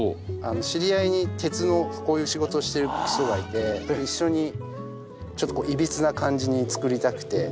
知り合いに鉄のこういう仕事をしている人がいて一緒にちょっとこういびつな感じに作りたくて。